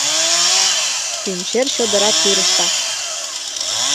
Пӱнчер чодыра тӱрыштак.